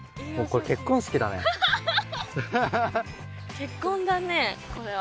結婚だねこれは。